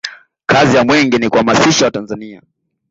kazi ya mwenge ni kuwahamasisha watanzania